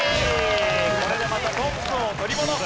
これでまたトップを取り戻す。